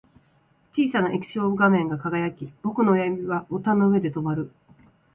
小さな液晶画面が輝き、僕の親指はボタンの上で止まる